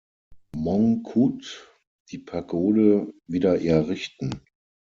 Mongkut die Pagode wieder errichten.